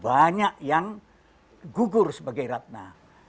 banyak yang gugur sebagai ratna